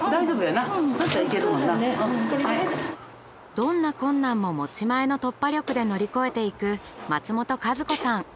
どんな困難も持ち前の突破力で乗り越えていく松本香壽子さん。